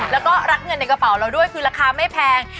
แล้วก็รักเงินในกระเป๋าเราด้วยคือราคาไม่แพง